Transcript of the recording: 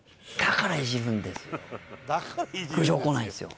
苦情来ないんですよ。